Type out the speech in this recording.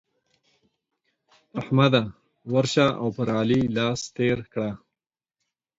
احمده! ورشه او پر علي لاس تېر کړه.